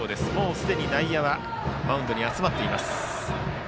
すでに内野はマウンドに集まっています。